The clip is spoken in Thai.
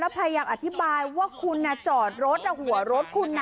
พยายามอธิบายว่าคุณจอดรถหัวรถคุณนะ